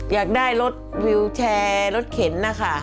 อยากได้รถวิวแชร์รถเข็นนะคะ